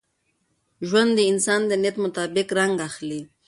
ژوند د انسان د نیت مطابق رنګ اخلي.